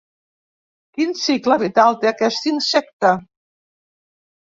Quin cicle vital té aquest insecte?